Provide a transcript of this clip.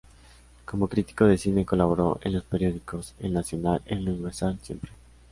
Como crítico de cine colaboró en los periódicos "El Nacional", "El Universal", "Siempre!